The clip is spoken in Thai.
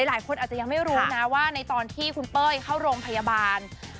หลายคนอาจจะยังไม่รู้นะว่าในตอนที่คุณเป้ยเข้าโรงพยาบาล